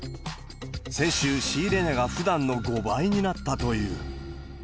先週、仕入れ値がふだんの５倍になったという。